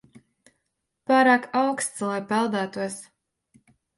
Pārāk auksts, lai peldētos.